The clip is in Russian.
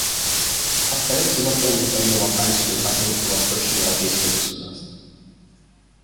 Остается заполнить одну вакансию от Группы восточноевропейских государств.